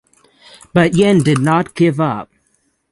But Yin did not give up.